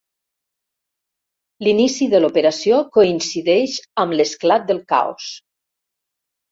L'inici de l'operació coincideix amb l'esclat del caos.